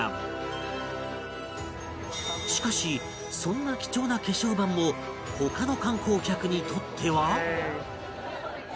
しかしそんな貴重な化粧板も他の観光客にとっては